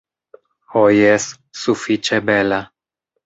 Ho jes, sufiĉe bela.